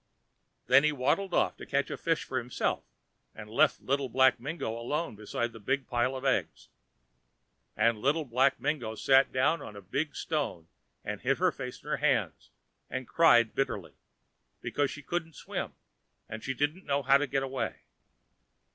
Then he waddled off to catch fish for himself, and left Little Black Mingo alone beside the big pile of eggs. And Little Black Mingo sat down on a big stone and hid her face in her hands, and cried bitterly, because she couldn't swim, and she didn't know how to get away.